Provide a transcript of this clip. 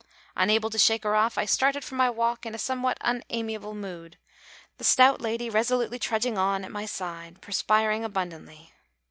Unable to shake her off, I started for my walk in a somewhat unamiable mood, the stout lady resolutely trudging on at my side, perspiring abundantly.